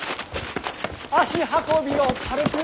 足運びを軽く。